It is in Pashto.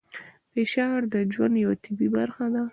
فشار د ژوند یوه طبیعي برخه ده.